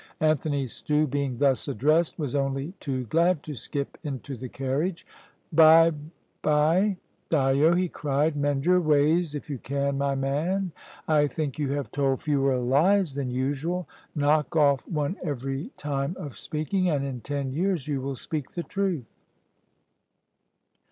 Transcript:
Anthony Stew, being thus addressed, was only too glad to skip into the carriage. "By, by, Dyo," he cried; "mend your ways, if you can, my man. I think you have told fewer lies than usual; knock off one every time of speaking, and in ten years you will speak the truth."